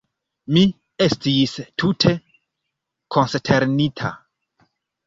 Mi estis tute konsternita.